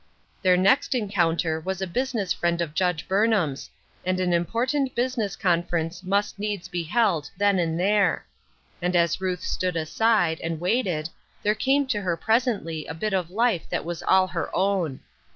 Their next encounter was a business friend of Judge Burnham's, and an im portant business conference must needs be held A WAITING WORKER. 303 then and there ; and as Ruth stood aside, and waited, there came to her presently a bit of life that was all her own.